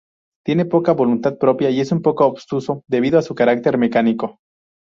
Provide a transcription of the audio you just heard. Tiene poca voluntad propia y es un poco obtuso, debido a su carácter mecánico.